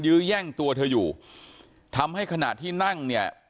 ื้อแย่งตัวเธออยู่ทำให้ขณะที่นั่งเนี่ย